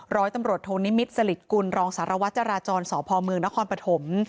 ร้อยตำรวจโทษนิมิตรสลิดกุลรองบสาราจรสพนนปฐม